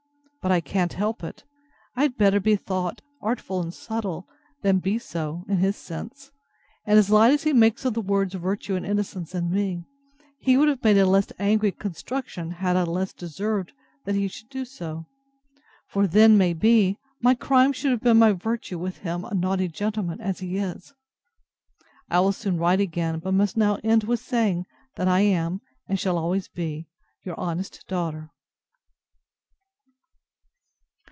But I can't help it. I had better be thought artful and subtle, than be so, in his sense; and, as light as he makes of the words virtue and innocence in me, he would have made a less angry construction, had I less deserved that he should do so; for then, may be, my crime should have been my virtue with him naughty gentleman as he is! I will soon write again; but must now end with saying, that I am, and shall always be, Your honest DAUGHTER.